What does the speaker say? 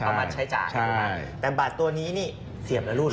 เอาบัตรใช้จากแต่บัตรตัวนี้เนี่ยเสียบแล้วรู้สึก